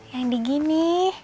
yang di gini